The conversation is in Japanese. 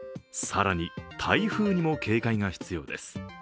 更に、台風にも警戒が必要です。